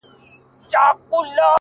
• عرب وویل له مخه مي سه لیري,